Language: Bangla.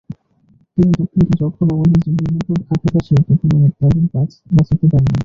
কিন্তু যখন আমাদের জীবনের ওপর আঘাত আসে, তখন তাদের বাঁচাতে পারি না।